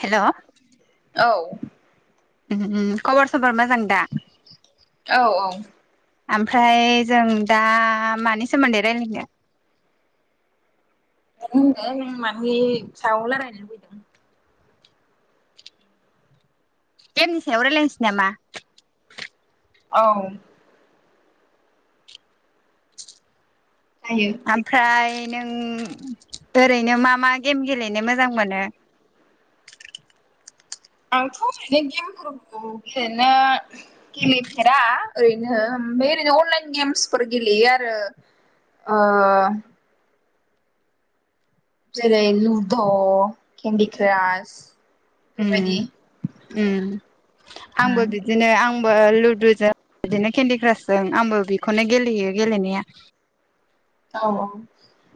Hello. औ। ओम खबर सबर मा औ औ। ओमफ्राय जों दा मानि सोमोन्दै रायलायनो? होन नो माने सायाव रायलायनो लुबैदों। गेमनि सायाव रायलायनोसै नामा? औ। जायो ओमफ्राय नों नोंं ओरैनो मा मा गेम गेलेनो मोजां मोनो? आंथ' ओरैनो गेमफोरखौ गेलेनो गेलेफेरा ओरैनो। ओैरैनो अनलाइन गेम्सफोर गेलेयो आरो ओ जेरै लुद' केन्डिक्रास ओम ओम आंबो उम बिदिनो आंबो लुदुजों बिदिनो केन्दि क्रासजों आंबो बेखौनो गेलेयो गेलेनाया औ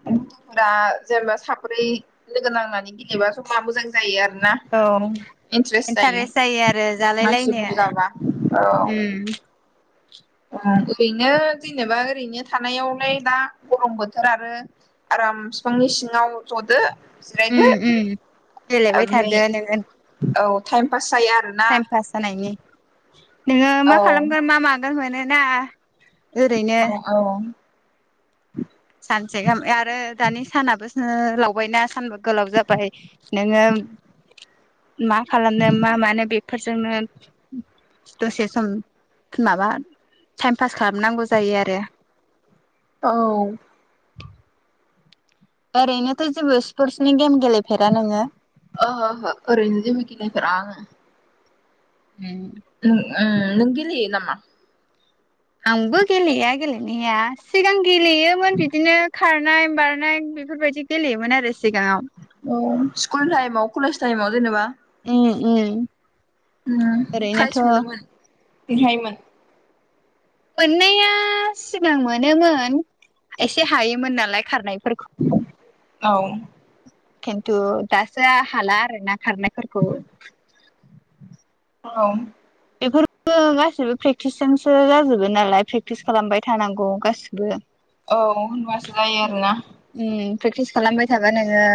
औ लुदफोरा जेनेबा साब्रै लोगो नांनानै गेलेबा मार मोजां जायो आरो। औ। इन्टारेस्ट जायो आरो जालाय मानसि लायनो बुरजाबा ओम। आ ओरैनो जेनेबा ओरैनो थानायावलाय दा गरम बोथोर आरो आराम बिफांनि सिङाव जदो उम जिरायदो। उम गेलेबाय ओमफ्राय थादो नोङो औ टाइम पास जायो आरोना। टाइम पास जानायनि नोङो मा औ खालामगोन मा मागोन मोनोना। ओरैनो औ औ। सानसे गाहाम आरो दानि सानाबो ओ लावबायना सानबा गोलाव जाबाय नोङो मा खालामनो मा मानो बे फोरजोंनो दसे सम माबा थाइम पास खालामनांगौ जायो आरो। औ। ओरैनोथ' जेबो स्पर्टसनि गेम गेलेफेरा नोङो अ ह ह आरैनो जेबों गेलेफेरा आङो। ओम। ओ ओ नों गेलेयो नामा? आंबो गेलेया गेलेनाया सिगां गेलेयोमोन बिदिनो खारनाय बारनाय। बेफोरबायदि गेलेयोमोन आरो। सिगाङाव अ स्कुल टाइमाव कलेज टाइमव जेनेबा। ओम ओरैनोथ' फ्राइस मोनोमोन। बेहायमोन। मोननाया सिगां मोनोमोन एसे हायोमोन नालाय खारनाय [unintelligible] औ। खिन्थु दासो हाला आरो ना खारनायफोरखौ औ। बेफोरबो गाैबो प्रेक्टिसजोंसो जाजोबो नालाय प्रेक्टिस खालामबाय थानांगौ गासिबो। औ होनबासो जायो आरोना उम प्रेक्टिस खालामबाय थाबाय नोङो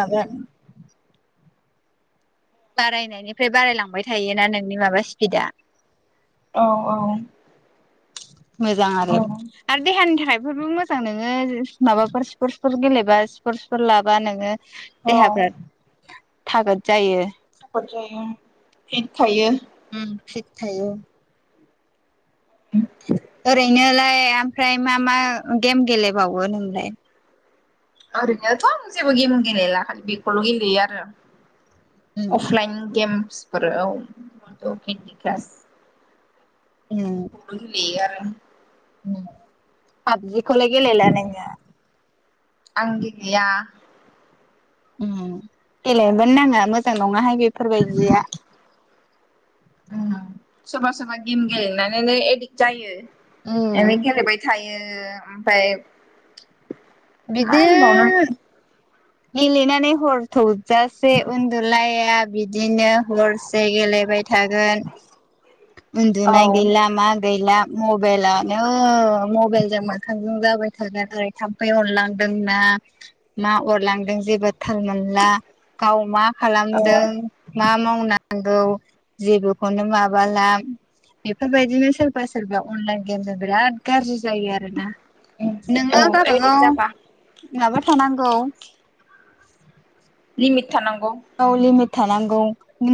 माबा बारायनायनिफ्राय बारायलांबाय थायोना नोंनि माबा स्पिदआ औ औ। मोजां आरो औ आरो देहानि थाखाय बेफोरबो मोजां नोङो माबाफोर स्पर्टसफोर गेलेबा स्पर्टसफोर लाबा नोङो औ देहाफ्रा थागोद जायो। खकद जायो फिद थायो। उम फिट थायो। [inaudible] ओरैनोलाय ओमफ्राय मा मा गेम गेलेबावो नोंलाय? ओरैनोथ' आं जेबो गेम गेलेला खालि बेखौल' गेलेयो आरो। उम अफलाइन गेमसफोराव केन्दि क्रास उम बेफोरखौबो गेलेयो आरो। उम पाबजिखौलाय गेलेला नोङो। आं गेलेया। गेलेनोबो नाङा मोजां नङाहाय बे बेफोरबाययदिया। सोर सोरबा गेम गेलेनानैनो एडिक्ट जायो उम गेलेबाय थायो। ओमफाय मा होनबावनो। बिदिनो गेलेनानै हरथौजासे उन्दुलाया बिदिनो हरसे गेलेबाय थागोन। औ उन्दुनाय गैला मा गैला मबाइलानो मबाइलजों मोखांजों जाबाय थागोन आरो थाम्फै अरलांदोंना मा अर लांदों जेबो थाल मोनला गाव मा औ खालामदों मा मावना नांगौ जेबोखौनो माबाला बेफोरबायदिनो सोरबा सोरबा अनलाइन गेमजों बिराद गाज्रि जायो आरो ना। नोङो औ एडिक्ट गाबागाव जाबा माबा थानांगौ लिमिट थानांगौ। गाव लिमिट थानांगौ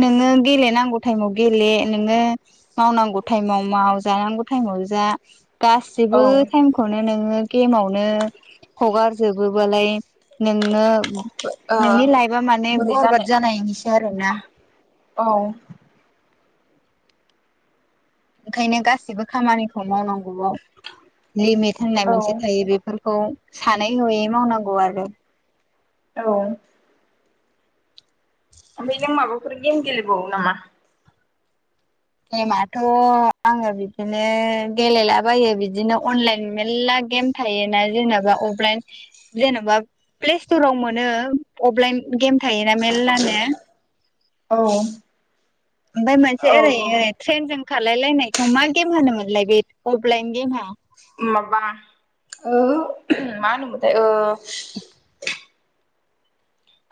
नोङो गेलेनांगौ टाइमाव गेले नोङो मावनांगौ टाइमाव माव जानांगौ टाइमआव जा औ गासिबो टाइमखौनो नों गेमावनो हगार जोबोबालाय नोंनो ओ नोंनि लाइफा माने बोरै बर बाजद जानो जानायनिसो आरो ना। औ ओंखायनो गासिबो खामानिखौ मावनांगौआव लिमिट होननाय मोनसे औ थायो बेफोर खौ सानै होयै मावनांगौ आरो। औ। ओमफाय नों माबाफोर गेम गेलबावो नामा? गेमाथ' आङो बिदिनो गेलेलाबायो बिदिनो अनलाइन मेरला गेम थायोना जेनेबा अफलाइन जेनेबा प्ले स्ट'राव मोनो अफलाइन गेम थायोना मेल्लानो औ ओमफाय मोनसे औ ओरै औ ओरै ट्रेनजों खालामलायलायनायखौ मा गेम होनोमोनलाय बे अफलाइन गेमा? माबा ओ मा होनोमाथाय ओ [inaudible]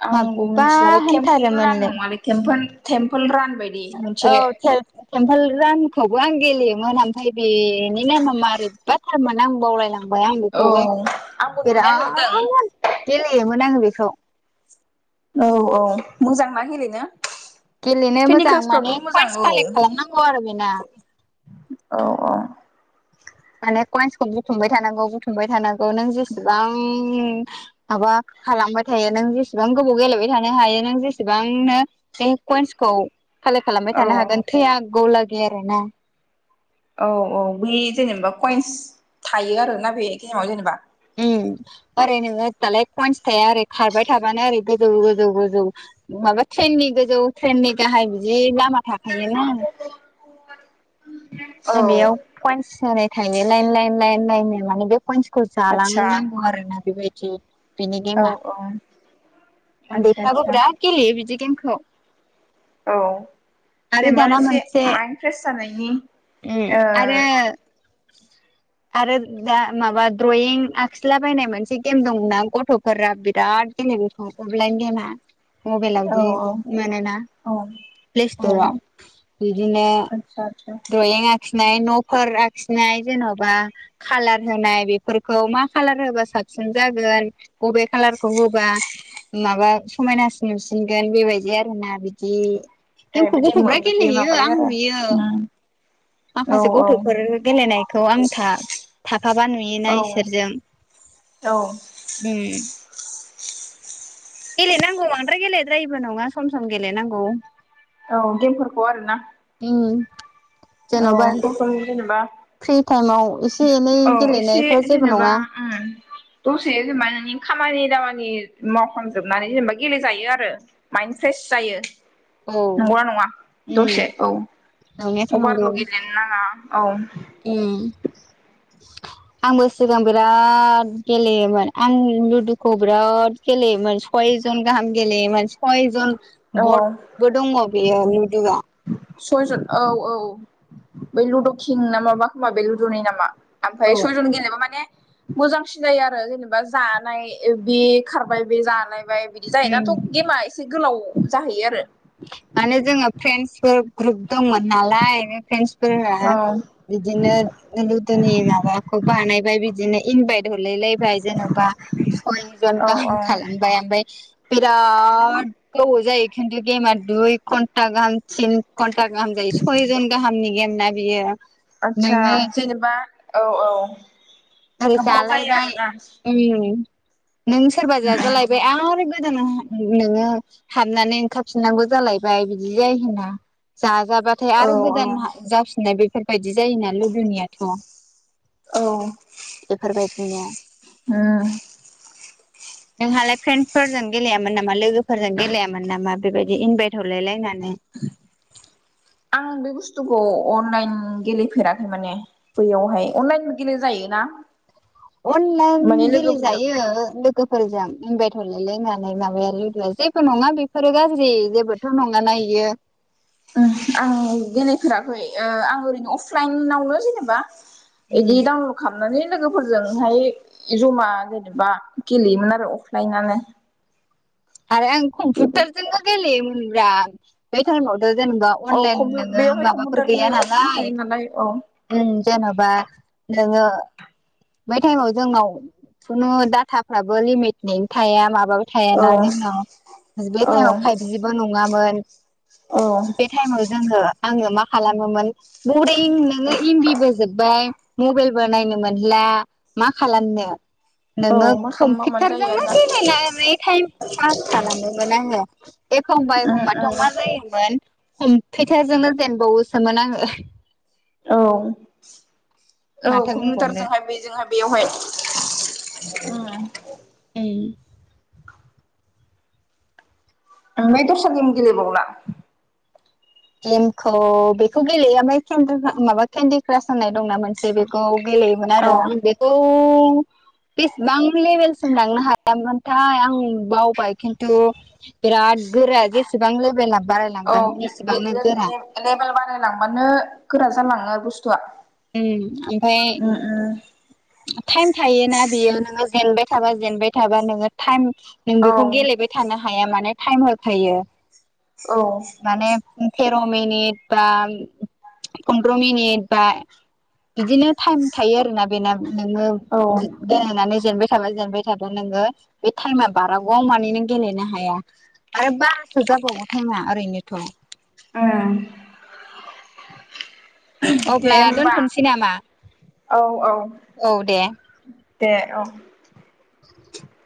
आंबो माबबा मिथिलाबाय तेम्पोल रान होनथारोमोनलै नङालै तेम्पोल तेम्पोल रान बायदि औ मोनसे ते तेम्पोल रानखौबो आं गेलेयोमोन ओमफ्राय बेनि नामा मारैबाथारमोन आं बावलायलां बाय आं औ बेखौबो आंबो नुनाया नुदों बिराद गेलेयोमोन आं बेखौ औ अ मोजांना गेलेनो गेलेनो केन्दि मोजां क्रासफ्राबो माने मोजां पइन्टस औ कालेक्ट खालामनांगौ आरो बेना औ औ माने कइन्सखौ बुथुमबाय थानांगौ बुथुमबाय थानांगौ नों जेसेबां माबा खालामबाय थायो नों जेसेबां गोबाव गेलेबाय थानो हायो नों जेसेबांनो बे कइन्सखौ कालेक्ट खालामबाय औ थानो हागोन थै आगौलागै आरो ना औ औ बे जेनेबा कइन्स थायो आरोना बे गेेमाव जेनेबा ओम ओरैनोङो दालाय कइन्स थाया ओरै खारबाय थाबानो ओरै गोजौ गोजौ गोजौ माबा ट्रेननि गोजौ ट्रेननि गाहाय बिदि लामा थाखायोना औ बेयाव कइन्स होनाय थायो लाइन लाइन लाइन लाइन नो माने बे खइन्सखौ आदसा जालांनांगौ आरो ना बेबायदि बिनि औ गेमा औ आदसा उन्दैफ्राबो आदसा बिराद गेलेयो बिदि गेमखौ औ आरो जेनबा दाना एसे मोनसे माइन्द फ्रेस जानायनि उम ओ आरो आरो दा माबा द्रयिं आखिला बायनाय मोनसे गेम दंना गथ'फोरा बिराद गेलेयो बेखौ अफलाइ गेमा औ मबाइलावदि मोनोना औ औ प्लेस्टराव बिदिनो आतसा आतसा ड्रयिं आखिनाय न'फोर आ खिनाय जेन'बा खालार होनाय बेफोरखौ मा खालार होबा साबसिन जागोन। अबे खालारखौ होबा माबा समायनासिन नुसिनगोन बेबायदि आरोना बिदि ए गेमखौ बिदि गथ'फ्रा बिदि गेलेहैयो माबायो आं आरो नुयो। उम औ माखासे गथ'फोर गेलेनायखौ आं था थाफाबा नुयोना औ इसोरजों औ उम गेलेनांगौ बांद्राय गेलेद्रायिबो नङा सम सम गेलेनांगौ। औ गेमफोरखौ आरोना उम औ जेन'बा [unintelligible] जेनेबा फ्रि टाइमाव एसे एनै औ एसे गेलेनायफ्रा जेबो जेनेबा नङा उम दसे जेनबा नोंनि खामानि दामा नि मावखांजोबनानै जेनेबा गेलेजायो आरो माइन्द फ्रेस जायो। औ नंगौना नङा उम दसे औ एवनाया थानांगौ अभारल' गेलेनो नाङा औ उम आंबो सिगां बिराद गेलेयोमोन आं लुदुखौ बिराद गेलेयो मोन सयजन गाहाम गेलेयोमोन सयजन औ बटबो दङ बेयो लुदुआ सयजन औ औ बै लुद'किं नामाबा खोमा बे लुद'नि नामा ओमफ्राय औ सयजन गेलेबा माने मोजांसिन जायो आरो जेनेबा जानाय बे खारबाय बे जालायबाय बिदि जायोना उम थ' गेमा एसे गोलाव जाहैयो आरो माने जोङो फ्रेन्डसफोर ग्रुप दंमोन नालाय ओरैनो फ्रेन्डसफोरहा औ बिदिनो लुद'नि माबाखौ बानायबाय बिदिनो इनबायद हरराय लाबाय जेनबा सयजन औ गाहाम औ खालामबाय ओमफ्राय बिराद गोबाव जायो खिथु गेमा दुइ घन्टा गाहाम तिन घन्टा गाहाम जायो सयजन गाहामनि गेम ना बेयो आदसा जेनेबा औ औ ओरै गोबाव जायो आरो जालायबाय ना उम नों सोरबा जाजालायबाय आरो गोदान नोङो हाबनानै ओंखार फिननांगौ जालायबाय बिदि जायो होना जाजाबाथाय औ आरो औ गोदान जाफिननाय बेफोर बायदि जायोना लुदुनियाथ' औ बेफोरबायदिनो उम नों हालाय फ्रेन फोरजों गेलेयामोन नामा लोगोफोरजों गेलेयामोन नामा बेबायदि इनभाइट हरलाय लायनानै आं बे बुस थुखौ अनलाइन गेलेफेराखै माने बैयावहाय अनलाइन गेले जायो ना अनलाइन गेले जायो लोगोफोरजों इनभाइट हरलायलायनानै माबाया लुदुआ जेबो नङा बेफोरो गाज्रि जेबोथ' नङाना बियो उम आं गेले फेराखै आं ओरैनो अफलाइनावनो जेनेबा उम बिदि डाउनलड खालामनानै लोगोफोरजोंहाय जमा जेनेबा गेलेयोमोन आरो अफ्लायनानो आरो आं कम्पिउटारजोंनो गेलेयोमोनब्रा आ बे टाइमाव जेनेबा औ अनलाइन कम्पिउ नोङो बेयावहाय माबाफोर कम्पिउटारनि गैया अपसन नालाय थायो औ ओं जेनबा नङो बेै टाइमाव जोंनाव खुनु डाटाफ्राबो लिमिटगैयि थाया मा बाबो औ थायाना जोंनाव औ बेटइमाव फाइबजिबो नङामोन औ बे टाइमाव जोङो आङो मा खालामोमोन बरिं नोङो एमबिबो जोब्बाय मबाइलबो नायनोमो नला मा खालामनो औ नोङो मा खालामबा मानो जायो कम्पिउटारजोंनो आरोना गेलेनानै टाइम पास खालामोमोन आङो एखमबा एखमबाथ' मा जायोमोन कम्पुटारजोंनो जेनबावो सोमोन आंङो औ औ माथो बुंबावनो कम्पिउटारजोंहाय बेजोंहाय बेयावहाय उ ओमफ्राय दस्रा गेम गेले बावला गेमखौ बेखौ गेलेयो ओमफ्राय केन्दिख्रा माबा केन्दिक्रास होननाय दंना मोनसे बेखौ गेलेयोमोन औ आरो आं बेखौ बेसेबां लेभेलसिम लांनो हायामोनथाय आं बावबाय खिन्थु बिरा द गोरा जेसेबां लेभेला औ बारायलांगोन बे एसेबांनो गोरा ले-ले-लेबेल बारायलांबानो गोरा जालाङो बुस्थुआ उम ओमफ्राय उम टाइम थायोना बियो नोङो जेनबाय थाबा जेनबाय थाबा नोङो टाइम नों बेखौ उम गेलेबाय थानो हाया माने टाइम होखायो औ माने तेर' मिनिट बा पन्द्र' मिनिट बा बिदिनो टाइम थायो आरोना बेना नोङो औ दि गेलेनानै जेनबाय थाबा जेनबाय थाबा नोङो बे टाइमा बारग'मानि नों गेलेनो हाया आरो बारा सो जाबावगौ टाइमा ओरैनोथ' ओ दे अब्ला होमबा दोनथ'नोसै नामा औ-औ औ दे दे औ [inaudible]